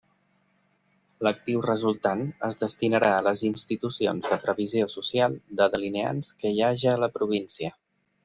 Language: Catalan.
L'actiu resultant es destinarà a les institucions de previsió social de delineants que hi haja a la província.